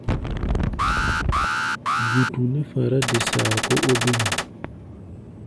Gbutu nɛ́ fará-de-saa kó óbêm.